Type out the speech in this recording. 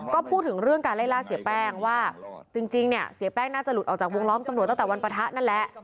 ก็พูดถึงเรื่องการไล่ล่าเสียแป้งว่าจริงเนี่ยเสียแป้งน่าจะหลุดออกจากวงล้อมตำรวจตั้งแต่วันปะทะนั่นแหละ